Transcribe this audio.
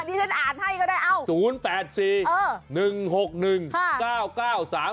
อันนี้ฉันอ่านให้ก็ได้เอ้า